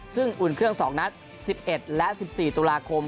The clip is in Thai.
ซึ่งอุ่นเครื่อง๒นัด๑๑และ๑๔ตุลาคม